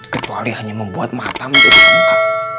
kecuali hanya membuat mata menjadi lengkap